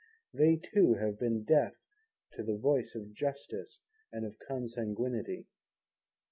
They too have been deaf to the voice of justice and of consanguinity.